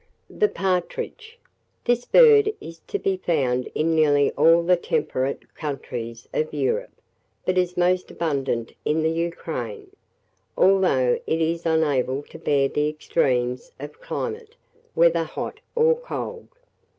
[Illustration: PARTRIDGES.] THE PARTRIDGE. This bird is to be found in nearly all the temperate countries of Europe, but is most abundant in the Ukraine, although it is unable to bear the extremes of climate, whether hot or cold.